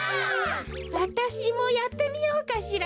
わたしもやってみようかしらね。